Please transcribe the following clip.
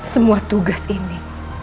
semua tugas ini